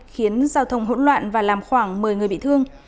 khiến giao thông hỗn loạn và làm khoảng một mươi người bị thương